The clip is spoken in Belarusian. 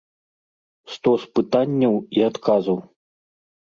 Стос пытанняў і адказаў.